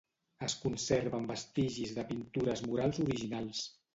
Es conserven vestigis de pintures murals originals.